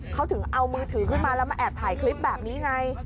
เขาถึงเอามือถือขึ้นมาแล้วมาแอบถ่ายคลิปแบบนี้ไง